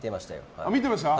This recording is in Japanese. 見てましたよ。